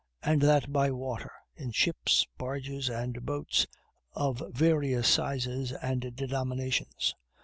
and that by water in ships, barges, and boats, of various sizes and denominations.